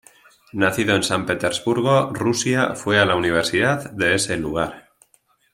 Nacido en San Petersburgo, Rusia, fue a la Universidad de ese lugar.